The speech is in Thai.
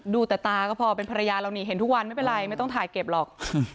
ดูแต่ตาก็พอเป็นภรรยาเรานี่เห็นทุกวันไม่เป็นไรไม่ต้องถ่ายเก็บหรอก